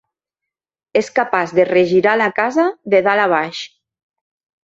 És capaç de regirar la casa de dalt a baix.